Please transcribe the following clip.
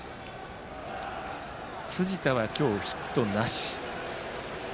辻田は今日、ヒットなし。